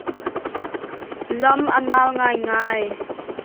Lam a nal ngaingai.